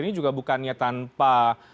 ini juga bukannya tanpa